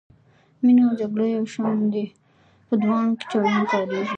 مینه او جګړه یو شان دي په دواړو کې چلونه کاریږي.